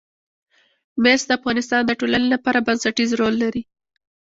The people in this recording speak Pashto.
مس د افغانستان د ټولنې لپاره بنسټيز رول لري.